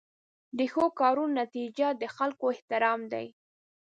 د ښو کارونو نتیجه د خلکو احترام دی.